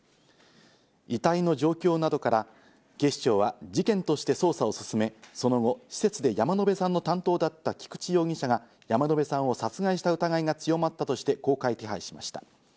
遺体の状況などから警視庁は事件として捜査を進め、その後、施設で山野辺さんの担当だった菊池容疑者が山野辺さんを殺害した疑いが強まったとして公開手配しました。